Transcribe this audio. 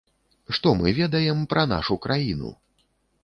Што мы ведаем пра нашу краіну?